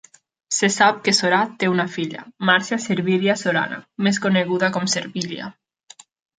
Se sap que Sorà té una filla, Marcia Servilia Sorana, més coneguda com Servilia